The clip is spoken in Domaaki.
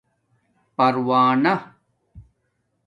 پرونہ